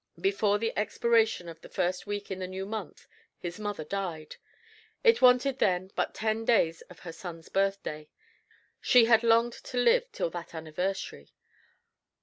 Before the expiration of the first week in the new month his mother died. It wanted then but ten days of her son's birthday. She had longed to live till that anniversary.